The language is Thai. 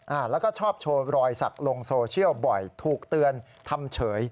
อ่าแล้วก็ชอบโชว์รอยสักลงโซเชียลบ่อยถูกเตือนทำเฉย